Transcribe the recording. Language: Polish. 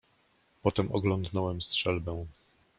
"Potem oglądnąłem strzelbę."